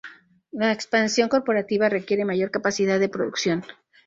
La expansión corporativa requiere mayor capacidad de producción.